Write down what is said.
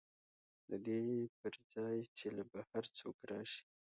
د دې پر ځای چې له بهر څوک راشي